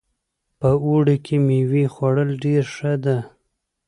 په اوړي کې میوې خوړل ډېر ښه ده